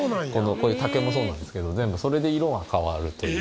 こういう竹もそうなんですけど全部それで色が変わるという。